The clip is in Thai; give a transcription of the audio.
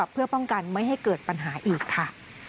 เพื่อป้องกันไม่ให้เกิดปัญหาอีกค่ะ